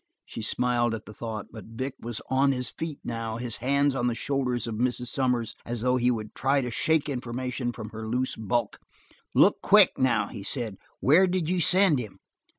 She smiled at the thought, but Gregg was on his feet now, his hands on the shoulders of Mrs. Sommers as though he would try to shake information from her loose bulk. "Look quick, now," he said. "Where did you send him?"